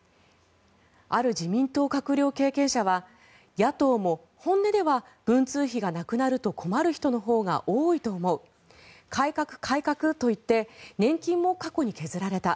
ある自民党閣僚経験者は野党も本音では文通費がなくなると困る人のほうが多いと思う改革、改革と言って年金も過去に削られた。